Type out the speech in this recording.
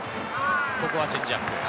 ここはチェンジアップ。